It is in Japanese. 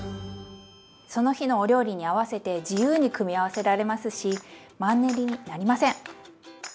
その日のお料理に合わせて自由に組み合わせられますしマンネリになりません！